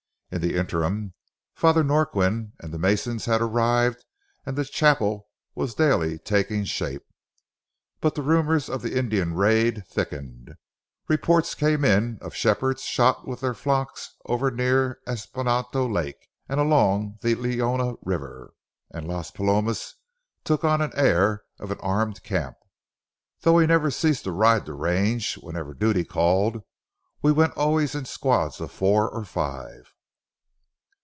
In the interim, Father Norquin and the masons had arrived and the chapel was daily taking shape. But the rumors of the Indian raid thickened. Reports came in of shepherds shot with their flocks over near Espontos Lake and along the Leona River, and Las Palomas took on the air of an armed camp. Though we never ceased to ride the range wherever duty called, we went always in squads of four or five.